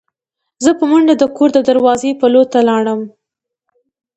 زه په منډه د کور د دروازې پلو ته لاړم.